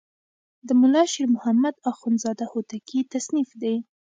د ملا شیر محمد اخوندزاده هوتکی تصنیف دی.